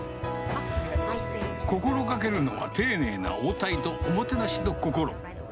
心がけるのは丁寧な応対とおもてなしの心。